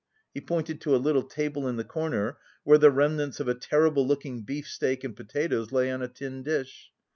He pointed to a little table in the corner where the remnants of a terrible looking beef steak and potatoes lay on a tin dish.